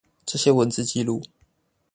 這些文字紀錄